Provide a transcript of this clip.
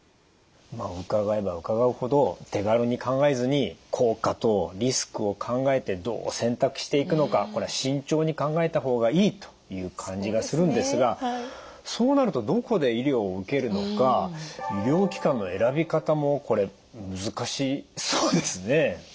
伺えば伺うほど手軽に考えずに効果とリスクを考えてどう選択していくのかこれは慎重に考えた方がいいという感じがするんですがそうなるとどこで医療を受けるのか医療機関の選び方もこれ難しいですね。